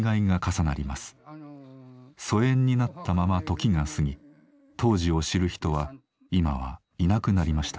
疎遠になったまま時が過ぎ当時を知る人は今はいなくなりました。